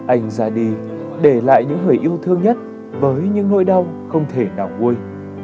anh ra đi để lại những người yêu thương nhất với những nỗi đau không thể nào quê